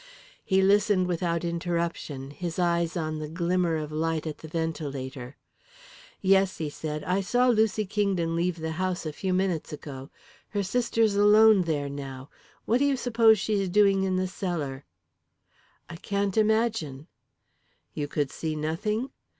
He listened without interruption, his eyes on the glimmer of light at the ventilator. "Yes," he said, "I saw Lucy Kingdon leave the house a few minutes ago. Her sister's alone there now. What do you suppose she's doing in the cellar?" "I can't imagine." "You could see nothing?"